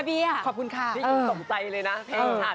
พี่หญิงสงสัยเลยนะ